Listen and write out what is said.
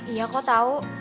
iya kok tau